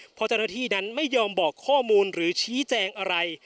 เพราะเจ้าหน้าที่นั้นไม่ยอมบอกข้อมูลหรือชี้แจงอะไร